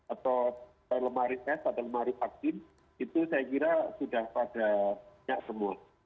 atau lemari tes atau lemari vaksin itu saya kira sudah padanya semua